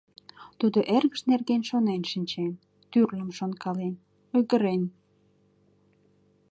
Тудо эргыж нерген шонен шинчен, тӱрлым шонкален, ойгырен.